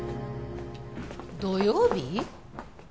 土曜日？